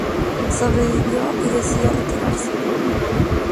Sobrevivió y decidió retirarse.